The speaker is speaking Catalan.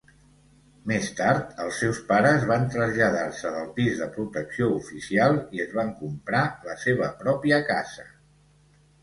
Més tard, els seus pares van traslladar-se del pis de protecció oficial i es van comprar la seva pròpia casa.